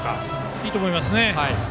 いいと思いますね。